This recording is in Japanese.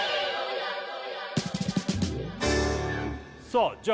さあじゃ